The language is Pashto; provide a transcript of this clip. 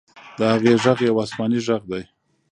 د هغې ږغ یو آسماني ږغ دی.